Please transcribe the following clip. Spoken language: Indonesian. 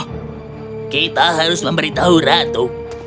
kita harus memberitahu ratu